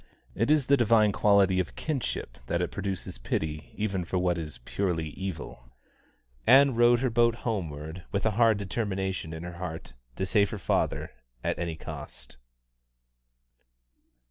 It is the divine quality of kinship that it produces pity even for what is purely evil. Ann rowed her boat homeward with a hard determination in her heart to save her father at any cost.